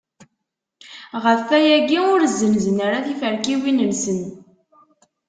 Ɣef wayagi ur zzenzen ara tiferkiwin-nsen.